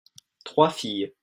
trois filles.